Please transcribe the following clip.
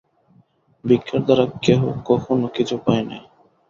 ভিক্ষার দ্বারা কেহ কখনও কিছু পায় নাই।